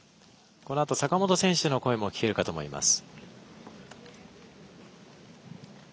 このあと坂本選手の声も聞けるかと思います。